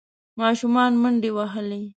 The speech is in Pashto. ماشومان منډې وهلې.